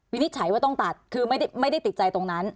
วินิจฉัยว่าต้องตัดคือไม่ได้ติดใจตรงนั้น